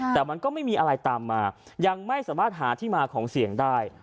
แต่มันก็ไม่มีอะไรตามมายังไม่สามารถหาที่มาของเสียงได้